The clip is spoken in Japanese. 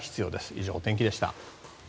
以上、お天気でした。